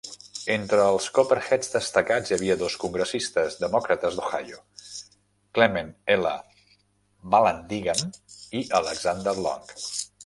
Entre els Copperheads destacats hi havia dos congressistes demòcrates d'Ohio: Clement L. Vallandigham i Alexander Long.